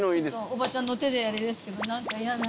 おばちゃんの手であれですけど何かヤダ。